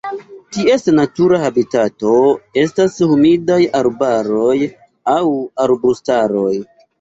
Ties natura habitato estas humidaj arbaroj aŭ arbustaroj.